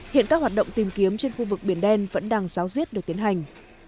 hiện các hoạt động tìm kiếm trên khu vực biển đen vẫn đang giáo diết được tiến hành